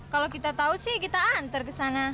kalau kita tahu sih kita antar ke sana